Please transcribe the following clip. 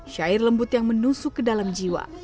syair lembut yang menusuk ke dalam jiwa